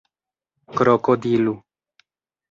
krokodilu